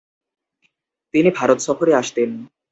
তিনি ভারত সফরে আসতেন।